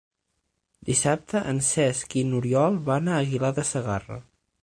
Dissabte en Cesc i n'Oriol van a Aguilar de Segarra.